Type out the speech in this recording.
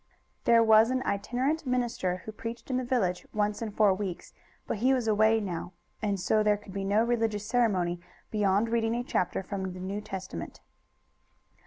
There was an itinerant minister who preached in the village once in four weeks, but he was away now, and so there could be no religious ceremony beyond reading a chapter from the New Testament.